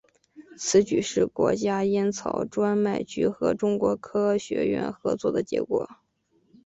此举是国家烟草专卖局和中国科学院合作的结果。